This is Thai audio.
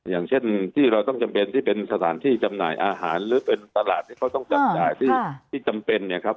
อย่างเช่นที่เราต้องจำเป็นที่เป็นสถานที่จำหน่ายอาหารหรือเป็นตลาดที่เขาต้องจับจ่ายที่จำเป็นเนี่ยครับ